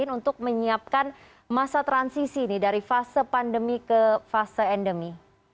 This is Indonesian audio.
untuk menyiapkan masa transisi dari fase pandemi ke fase endemi